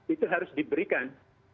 itu harus diberikan